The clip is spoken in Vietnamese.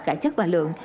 cả chất và lượng